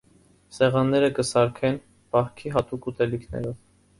Սեղանները կը սարքուին պահքի յատուկ ուտելիքներով։